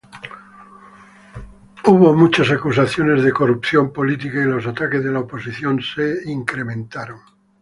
Hubo muchas acusaciones de corrupción política, y los ataques de la oposición se acrecentaron.